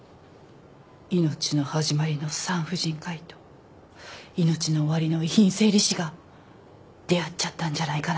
命の始まりの産婦人科医と命の終わりの遺品整理士が出会っちゃったんじゃないかな？